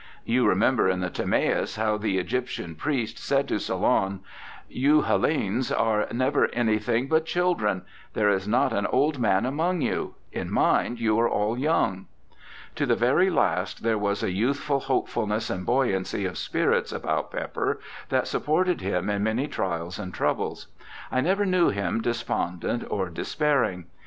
You remember in the Tiinaciis how the Egyptian Priest said to Solon :' You Hellenes are never an3'thing but children ; there is not an old man among you ... in mind you are all 3'oung.' To the very last there was a youthful hope fulness and buoyancy of spirits about Pepper that supported him in many trials and troubles. I never knew him despondent or despairing.